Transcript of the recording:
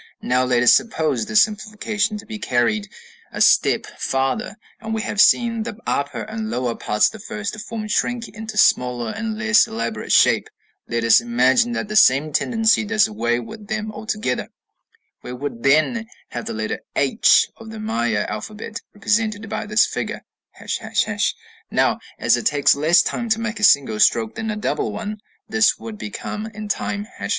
Now let us suppose this simplification to be carried a step farther: we have seen the upper and lower parts of the first form shrink into a smaller and less elaborate shape; let us imagine that the same tendency does away with them altogether; we would then have the letter H of the Maya alphabet represented by this figure, ###; now, as it takes less time to make a single stroke than a double one, this would become in time ###.